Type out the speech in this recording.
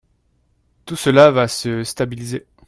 Tout cela va se stabiliser.